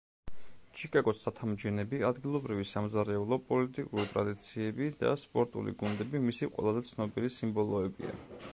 ჩიკაგოს ცათამბჯენები, ადგილობრივი სამზარეულო, პოლიტიკური ტრადიციები და სპორტული გუნდები მისი ყველაზე ცნობილი სიმბოლოებია.